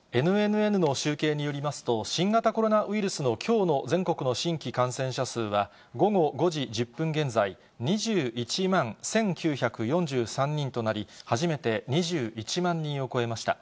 ＮＮＮの集計によりますと、新型コロナウイルスのきょうの全国の新規感染者数は、午後５時１０分現在、２１万１９４３人となり、初めて２１万人を超えました。